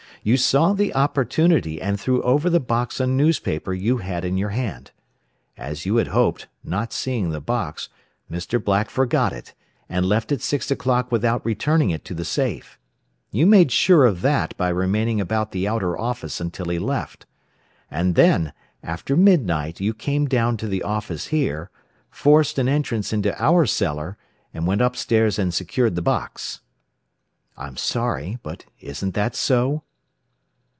you saw the opportunity, and threw over the box a newspaper you had in your hand. As you had hoped, not seeing the box, Mr. Black forgot it, and left at six o'clock without returning it to the safe. You made sure of that by remaining about the outer office until he left. And then, after midnight you came down to the office here, forced an entrance into our cellar, and went up stairs and secured the box. "I'm sorry but isn't that so?"